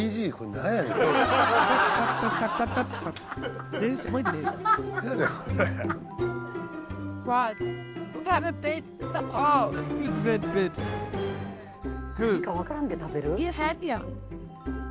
何かわからんで食べる？